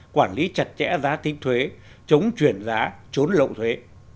quản lý chặt chẽ giá tính thuế chống chuyển giá chốn lộn thuế